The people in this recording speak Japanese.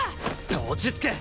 落ち着け